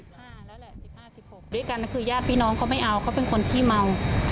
๕๕แล้วกันเป็นคือย่าร้านพี่น้องเขาไม่เอาเขาเป็นคนที่เมา